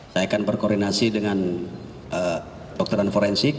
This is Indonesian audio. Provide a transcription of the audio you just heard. saya akan berkoordinasi dengan dokteran forensik